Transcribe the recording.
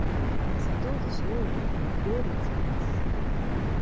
砂糖と塩を入れて、料理を作ります。